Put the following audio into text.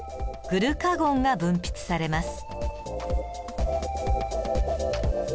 グルカゴンが分泌されます。